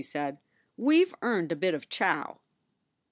he said. "We ve earned a bit of chow."